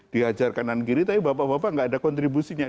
diajar kanan kiri tapi bapak bapak nggak ada kontribusinya